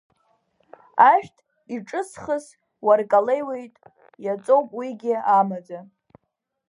Ашәҭ иҿысхыз уаркалеиуеит, иаҵоуп уигьы амаӡа.